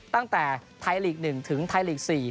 ตั้งแต่ไทยลีก๑ถึงไทยลีก๔